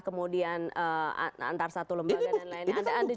kemudian antar satu lembaga dan lain lain